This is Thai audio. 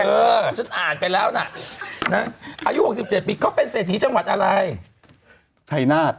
เออฉันอ่านไปแล้วน่ะน่ะอายุหกสิบเจ็ดปีเขาเป็นเศรษฐีจังหวัดอะไรไทนาศ